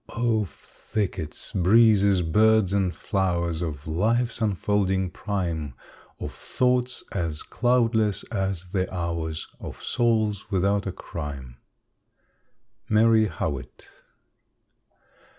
Of thickets, breezes, birds, and flowers Of life's unfolding prime; Of thoughts as cloudless as the hours; Of souls without a crime. _Mary Howitt.